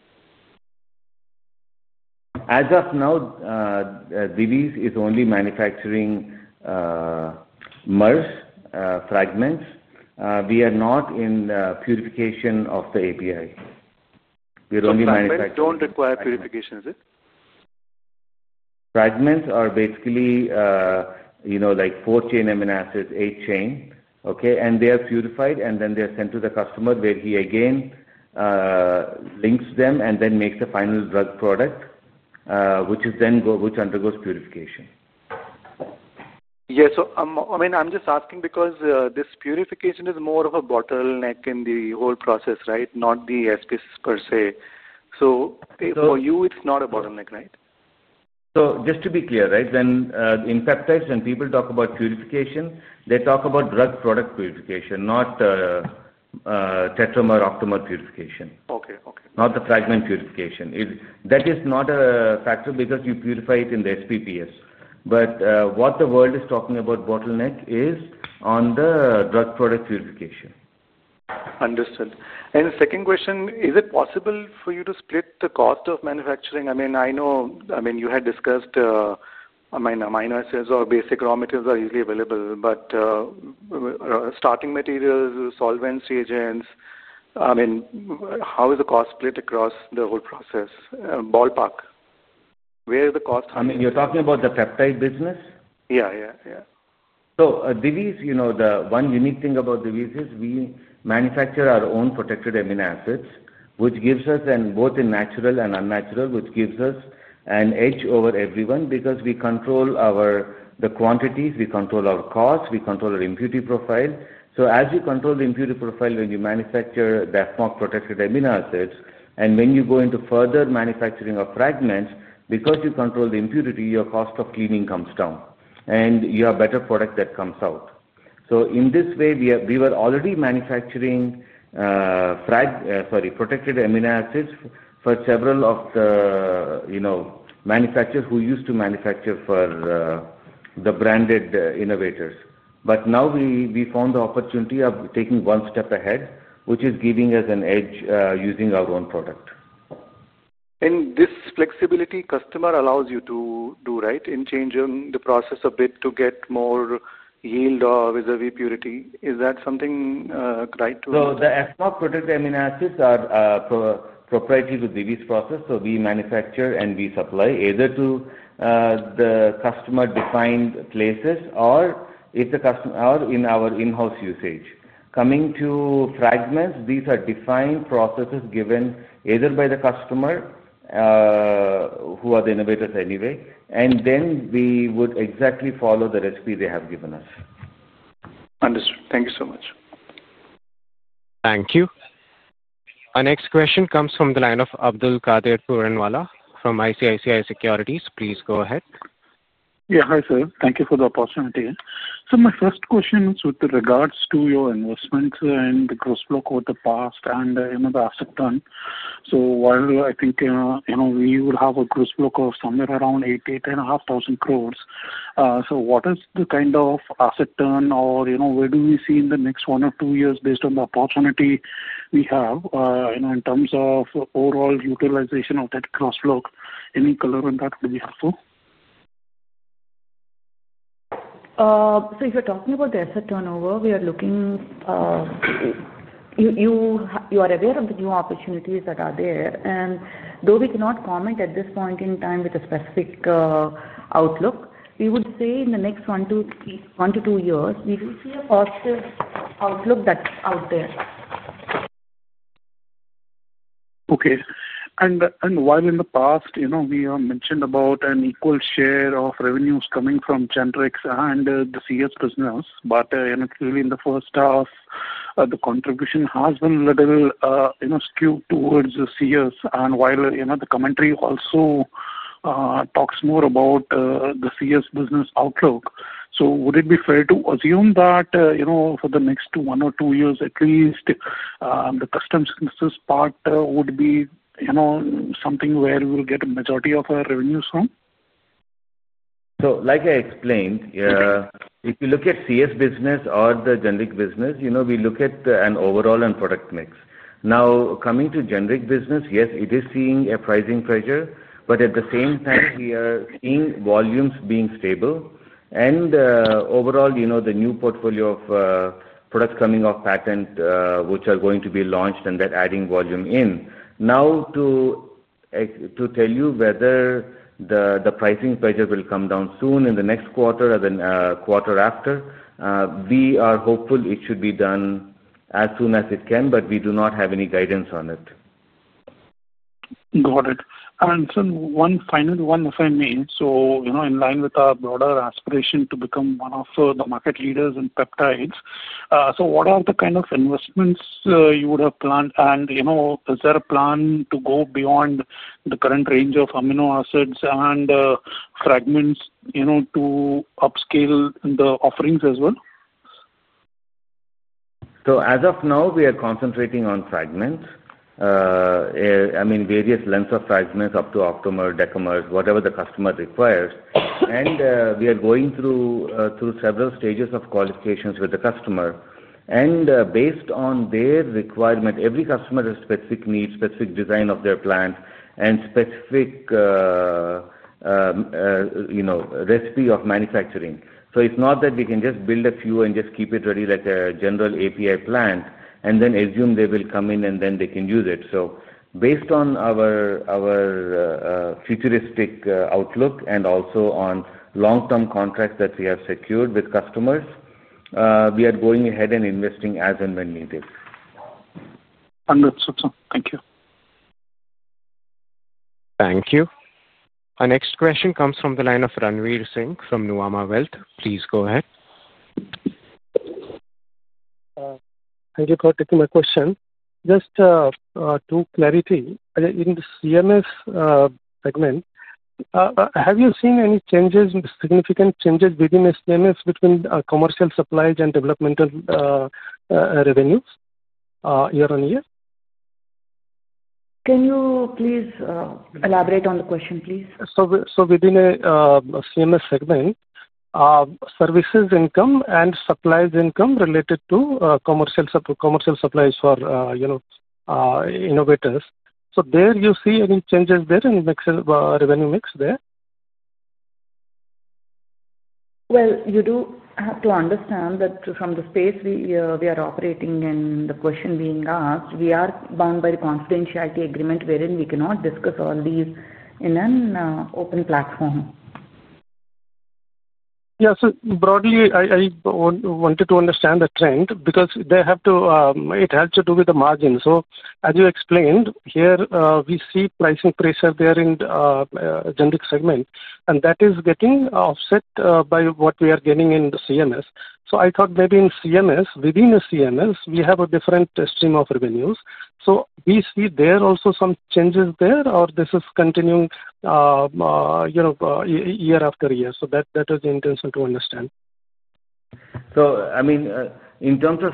As of now, Divi's is only manufacturing MERs fragments. We are not in the purification of the API. We are only manufacturing. Okay. Does not require purification, is it? Fragments are basically like four-chain amino acids, eight-chain, okay? They are purified, and then they are sent to the customer where he again links them and then makes a final drug product, which undergoes purification. Yeah. I mean, I'm just asking because this purification is more of a bottleneck in the whole process, right, not the [SPPS] per se. For you, it's not a bottleneck, right? Just to be clear, right, then in peptides, when people talk about purification, they talk about drug product purification, not tetramer octamer purification. Okay. Okay. Not the fragment purification. That is not a factor because you purify it in the SPPS. What the world is talking about bottleneck is on the drug product purification. Understood. The second question, is it possible for you to split the cost of manufacturing? I mean, I know you had discussed amino acids or basic raw materials are easily available, but starting materials, solvents, reagents, I mean, how is the cost split across the whole process, ballpark? Where is the cost hungry? I mean, you're talking about the peptide business? Yeah. Divi's, the one unique thing about Divi's is we manufacture our own protected amino acids, which gives us both in natural and unnatural, which gives us an edge over everyone because we control the quantities, we control our costs, we control our impurity profile. As you control the impurity profile when you manufacture the FMOC protected amino acids, and when you go into further manufacturing of fragments, because you control the impurity, your cost of cleaning comes down, and you have better product that comes out. In this way, we were already manufacturing protected amino acids for several of the manufacturers who used to manufacture for the branded innovators. Now we found the opportunity of taking one step ahead, which is giving us an edge using our own product. This flexibility customer allows you to do, right, in changing the process a bit to get more yield vis-à-vis purity. Is that something right to? The FMOC protected amino acids are proprietary to Divi's process, so we manufacture and we supply either to the customer-defined places or in our in-house usage. Coming to fragments, these are defined processes given either by the customer who are the innovators anyway, and then we would exactly follow the recipe they have given us. Understood. Thank you so much. Thank you. Our next question comes from the line of Abdul Kader Puranwala from ICICI Securities. Please go ahead. Yeah. Hi, sir. Thank you for the opportunity. My first question is with regards to your investments and the gross block over the past and the asset turn. While I think we would have a gross block of somewhere around 8,000 crore-8,500 crore, what is the kind of asset turn or where do we see in the next one or two years based on the opportunity we have in terms of overall utilization of that gross block? Any color on that would be helpful. If you're talking about the asset turnover, we are looking, you are aware of the new opportunities that are there. Though we cannot comment at this point in time with a specific outlook, we would say in the next one to two years, we do see a positive outlook that's out there. Okay. While in the past, we mentioned about an equal share of revenues coming from [generic] and the CS business, but clearly in the first half, the contribution has been a little skewed towards the CS. While the commentary also talks more about the CS business outlook, would it be fair to assume that for the next one or two years, at least, the customs business part would be something where we will get a majority of our revenues from? Like I explained, if you look at CS business or the generic business, we look at an overall and product mix. Now, coming to generic business, yes, it is seeing a pricing pressure, but at the same time, we are seeing volumes being stable. Overall, the new portfolio of products coming off patent, which are going to be launched and they're adding volume in. Now, to tell you whether the pricing pressure will come down soon in the next quarter or the quarter after, we are hopeful it should be done as soon as it can, but we do not have any guidance on it. Got it. One final one, if I may. In line with our broader aspiration to become one of the market leaders in peptides, what are the kind of investments you would have planned? Is there a plan to go beyond the current range of amino acids and fragments to upscale the offerings as well? As of now, we are concentrating on fragments, I mean, various lengths of fragments up to octamer, decamers, whatever the customer requires. We are going through several stages of qualifications with the customer. Based on their requirement, every customer has specific needs, specific design of their plant, and specific recipe of manufacturing. It is not that we can just build a few and just keep it ready like a general API plant and then assume they will come in and then they can use it. Based on our futuristic outlook and also on long-term contracts that we have secured with customers, we are going ahead and investing as and when needed. Understood. Thank you. Thank you. Our next question comes from the line of Ranvir Singh from Nuvama Wealth. Please go ahead. Thank you for taking my question. Just to clarify, in the CMS segment, have you seen any significant changes within the CMS between commercial supplies and developmental revenues year on year? Can you please elaborate on the question, please? Within a CMS segment, services income and supplies income related to commercial supplies for innovators. Do you see any changes there in revenue mix there? You do have to understand that from the space we are operating and the question being asked, we are bound by the confidentiality agreement wherein we cannot discuss all these in an open platform. Yeah. Broadly, I wanted to understand the trend because it has to do with the margin. As you explained, here we see pricing pressure there in the generic segment, and that is getting offset by what we are getting in the CMS. I thought maybe in CMS, within CMS, we have a different stream of revenues. Do we see there also some changes there, or is this continuing year after year? That was the intention to understand. I mean, in terms of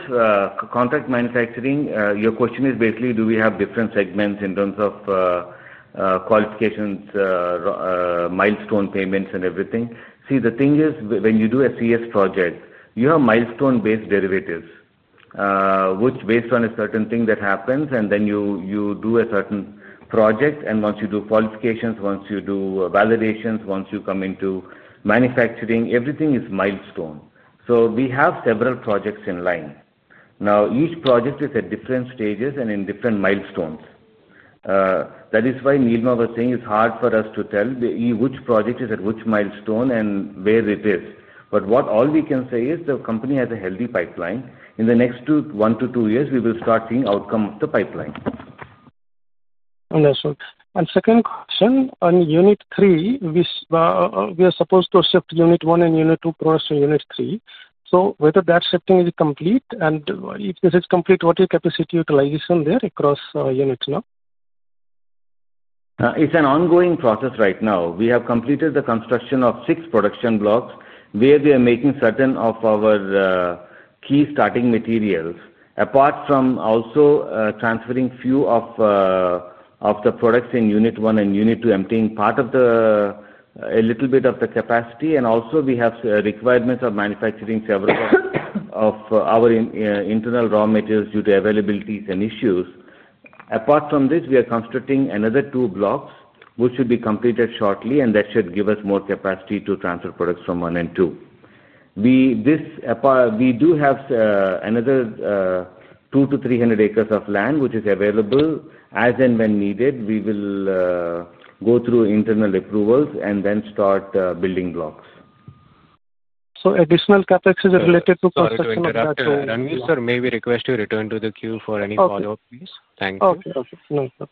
contract manufacturing, your question is basically, do we have different segments in terms of qualifications, milestone payments, and everything? See, the thing is, when you do a CS project, you have milestone-based derivatives, which, based on a certain thing that happens, and then you do a certain project. Once you do qualifications, once you do validations, once you come into manufacturing, everything is milestone. We have several projects in line. Now, each project is at different stages and in different milestones. That is why Nilima was saying it's hard for us to tell which project is at which milestone and where it is. What all we can say is the company has a healthy pipeline. In the next one to two years, we will start seeing outcome of the pipeline. Understood. Second question, on Unit 3, we are supposed to shift Unit 1 and Unit 2 products to Unit 3. Whether that shifting is complete, and if this is complete, what is your capacity utilization there across units now? It's an ongoing process right now. We have completed the construction of six production blocks where we are making certain of our key starting materials, apart from also transferring few of the products in Unit 1 and Unit 2, emptying part of a little bit of the capacity. We have requirements of manufacturing several of our internal raw materials due to availabilities and issues. Apart from this, we are constructing another two blocks, which should be completed shortly, and that should give us more capacity to transfer products from 1 and 2. We do have another 200-300 acres of land, which is available as and when needed. We will go through internal approvals and then start building blocks. Additional CapEx is related to construction of that. No, sir. No, sir. May we request you return to the queue for any follow-up, please? Thank you. Okay. Okay. No, sir.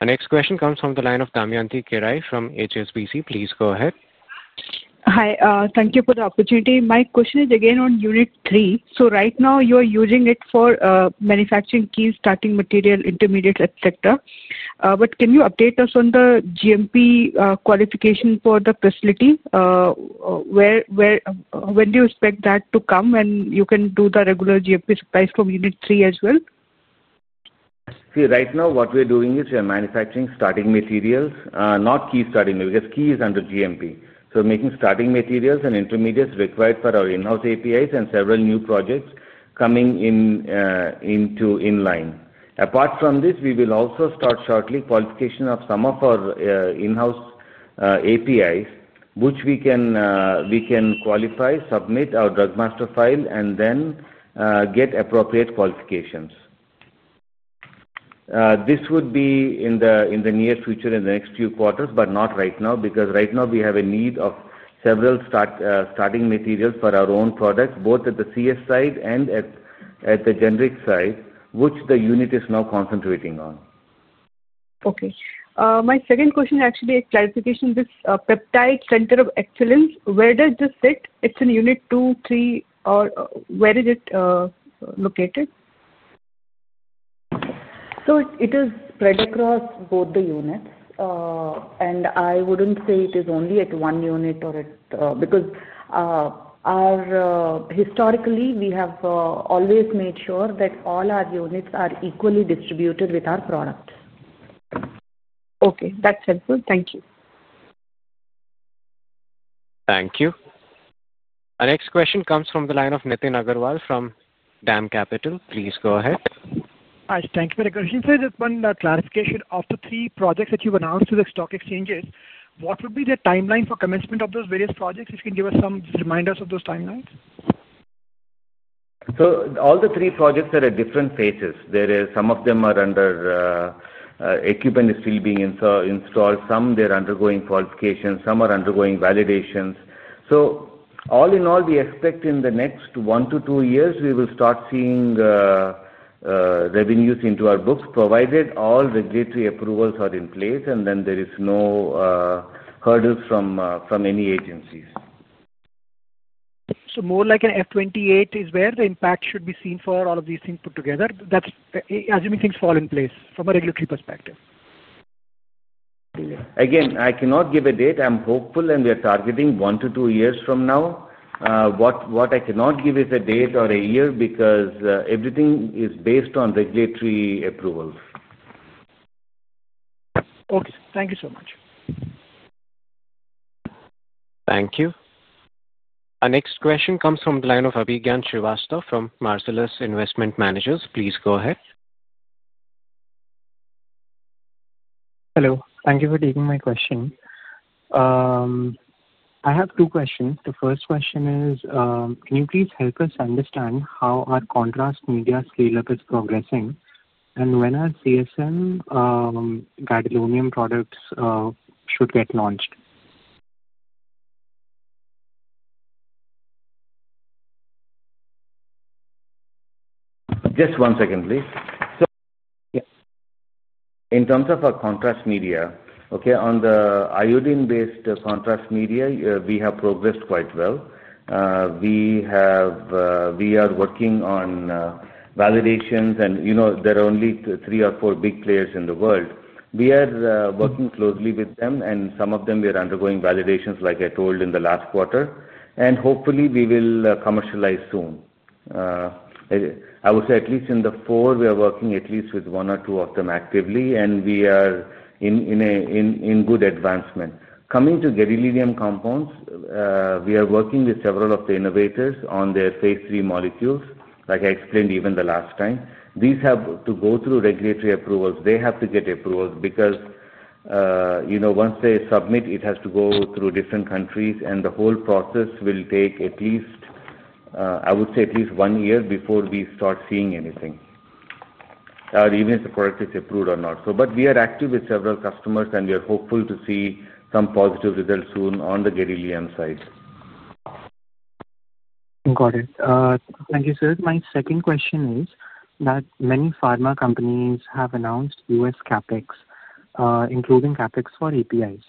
Our next question comes from the line of Damayanti Kerai from HSBC. Please go ahead. Hi. Thank you for the opportunity. My question is again on Unit 3. Right now, you are using it for manufacturing key starting material, intermediate, etc. Can you update us on the GMP qualification for the facility? When do you expect that to come when you can do the regular GMP supplies from Unit 3 as well? See, right now, what we are doing is we are manufacturing starting materials, not key starting materials because key is under GMP. So making starting materials and intermediates required for our in-house APIs and several new projects coming in line. Apart from this, we will also start shortly qualification of some of our in-house APIs, which we can qualify, submit our drug master file, and then get appropriate qualifications. This would be in the near future, in the next few quarters, but not right now because right now, we have a need of several starting materials for our own products, both at the CS side and at the generic side, which the unit is now concentrating on. Okay. My second question is actually a clarification. This peptide center of excellence, where does this sit? It's in Unit 2, 3, or where is it located? It is spread across both the units, and I wouldn't say it is only at one unit or at, because historically, we have always made sure that all our units are equally distributed with our product. Okay. That's helpful. Thank you. Thank you. Our next question comes from the line of Nitin Agarwal from DAM Capital. Please go ahead. Hi. Thank you for the question. Just one clarification. Of the three projects that you've announced to the stock exchanges, what would be the timeline for commencement of those various projects? If you can give us some reminders of those timelines. All the three projects are at different phases. Some of them are under equipment is still being installed. Some are undergoing qualifications. Some are undergoing validations. All in all, we expect in the next one to two years, we will start seeing revenues into our books provided all regulatory approvals are in place, and then there is no hurdles from any agencies. More like an [FY 2028] is where the impact should be seen for all of these things put together, assuming things fall in place from a regulatory perspective. Again, I cannot give a date. I'm hopeful, and we are targeting one to two years from now. What I cannot give is a date or a year because everything is based on regulatory approvals. Okay. Thank you so much. Thank you. Our next question comes from the line of Abhigyan Srivastav from Marcellus Investment Managers. Please go ahead. Hello. Thank you for taking my question. I have two questions. The first question is, can you please help us understand how our contrast media scale-up is progressing and when our CSM gadolinium products should get launched? Just one second, please. In terms of our contrast media, on the iodine-based contrast media, we have progressed quite well. We are working on validations, and there are only three or four big players in the world. We are working closely with them, and with some of them we are undergoing validations, like I told in the last quarter. Hopefully, we will commercialize soon. I would say at least in the four, we are working at least with one or two of them actively, and we are in good advancement. Coming to gadolinium compounds, we are working with several of the innovators on their phase III molecules, like I explained even the last time. These have to go through regulatory approvals. They have to get approvals because once they submit, it has to go through different countries, and the whole process will take at least, I would say at least one year before we start seeing anything, even if the product is approved or not. We are active with several customers, and we are hopeful to see some positive results soon on the gadolinium side. Got it. Thank you, sir. My second question is that many pharma companies have announced U.S. CapEx, including CapEx for APIs.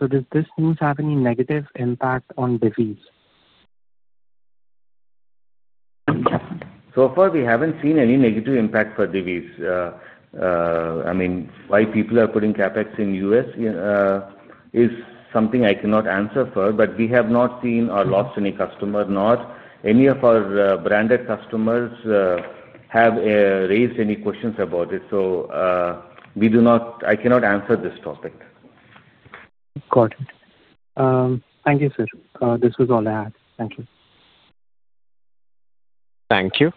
Does this news have any negative impact on Divi's? So far, we haven't seen any negative impact for Divi's. I mean, why people are putting CapEx in the U.S. is something I cannot answer for, but we have not seen or lost any customer. Nor any of our branded customers have raised any questions about it. I cannot answer this topic. Got it. Thank you, sir. This was all I had. Thank you. Thank you.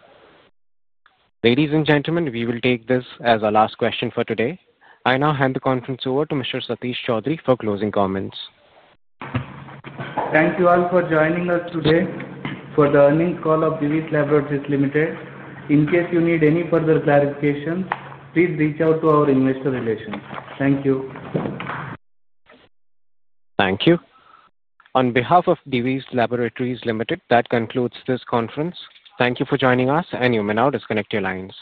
Ladies and gentlemen, we will take this as our last question for today. I now hand the conference over to Mr. M. Satish Choudhury for closing comments. Thank you all for joining us today for the earnings call of Divi's Laboratories Limited. In case you need any further clarifications, please reach out to our investor relations. Thank you. Thank you. On behalf of Divi's Laboratories Limited, that concludes this conference. Thank you for joining us, and you may now disconnect your lines.